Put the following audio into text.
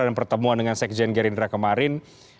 dan pertemuan dengan sekjen gerindra kemarin